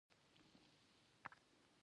ایا ټول مرغان الوتلی شي؟